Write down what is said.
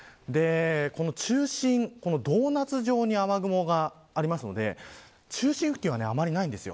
この中心ドーナツ状に雨雲がありますので中心付近はあんまりないんです。